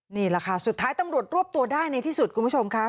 นี่แหละค่ะสุดท้ายตำรวจรวบตัวได้ในที่สุดคุณผู้ชมค่ะ